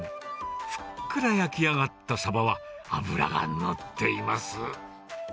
ふっくら焼き上がったサバは、脂が乗っています。